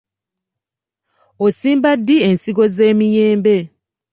Osimba ddi ensigo z'emiyembe?